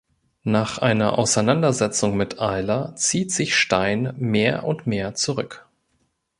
Nach einer Auseinandersetzung mit Eiler zieht sich Stein mehr und mehr zurück.